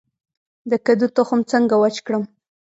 د کدو تخم څنګه وچ کړم؟